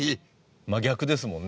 真逆ですもんね